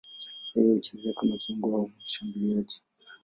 Yeye hucheza kama kiungo au mshambuliaji.